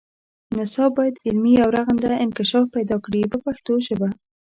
نصاب باید علمي او رغنده انکشاف پیدا کړي په پښتو ژبه.